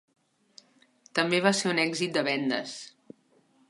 També va ser un èxit de vendes.